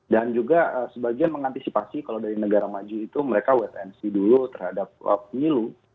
dan juga sebagian mengantisipasi kalau dari negara maju itu mereka wet ancy dulu terhadap milu